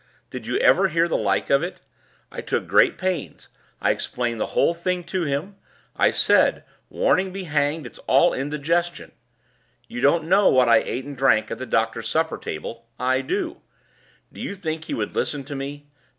Did you ever hear the like of it? I took great pains; I explained the whole thing to him. I said, warning be hanged; it's all indigestion! You don't know what I ate and drank at the doctor's supper table; I do. Do you think he would listen to me?